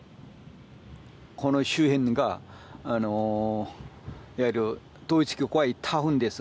この周辺がいわゆる統一教会タウンです。